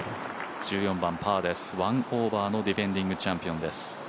１４番パーです、１オーバーのディフェンディングチャンピオンです。